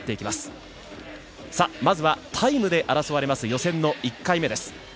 まずはタイムで争われる予選の１回目です。